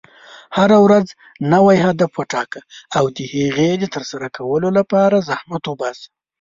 هره ورځ نوی هدف وټاکه، او د هغې د ترسره کولو لپاره زحمت وباسه.